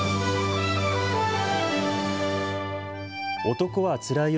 男はつらいよ